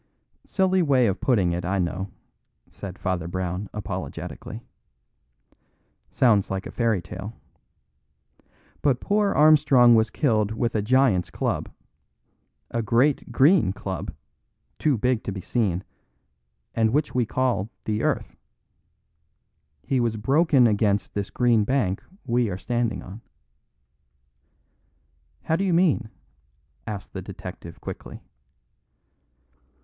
"Silly way of putting it, I know," said Father Brown apologetically. "Sounds like a fairy tale. But poor Armstrong was killed with a giant's club, a great green club, too big to be seen, and which we call the earth. He was broken against this green bank we are standing on." "How do you mean?" asked the detective quickly.